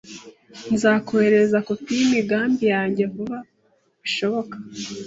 Nzakoherereza kopi yimigambi yanjye vuba bishoboka.